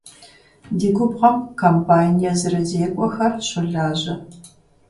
Ди губгъуэм комбайн езырызекӏуэхэр щолажьэ.